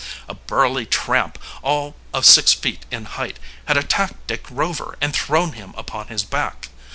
A burly tramp, all of six feet in height, had attacked Dick Rover and thrown him upon his back.